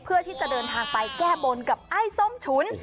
เพื่อที่จะเดินทางไปแก้บนกับไอ้ส้มฉุน